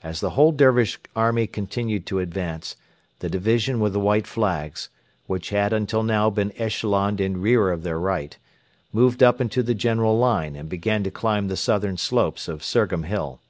As the whole Dervish army continued to advance, the division with the white flags, which had until now been echeloned in rear of their right, moved up into the general line and began to climb the southern slopes of Surgham Hill.